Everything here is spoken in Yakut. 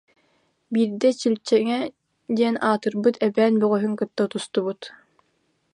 Биирдэ Чилчэҥэ диэн аатырбыт эбээн бөҕөһүн кытта тустубут